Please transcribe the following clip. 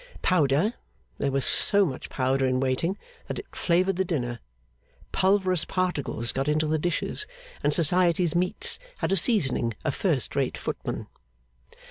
Powder! There was so much Powder in waiting, that it flavoured the dinner. Pulverous particles got into the dishes, and Society's meats had a seasoning of first rate footmen.